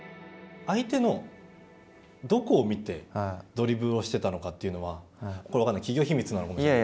相手のどこを見てドリブルをしてたのかというのは企業秘密なのかもしれない。